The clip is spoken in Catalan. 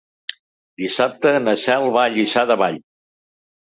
Dissabte na Cel va a Lliçà de Vall.